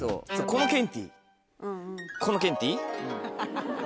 このケンティー。